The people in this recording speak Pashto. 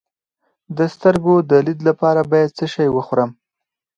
د سترګو د لید لپاره باید څه شی وخورم؟